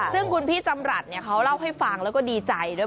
ซึ่งคุณพี่จำรัฐเขาเล่าให้ฟังแล้วก็ดีใจด้วย